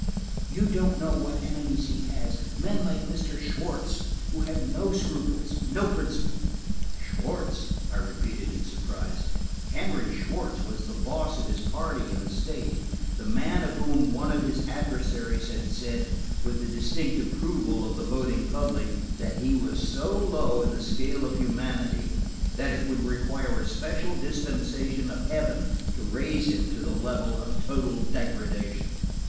You don't know what enemies he has! Men like Mr. Schwartz, who have no scruples, no principle." "Schwartz!" I repeated in surprise. Henry Schwartz was the boss of his party in the state; the man of whom one of his adversaries had said, with the distinct approval of the voting public, that he was so low in the scale of humanity that it would require a special dispensation of Heaven to raise him to the level of total degradation.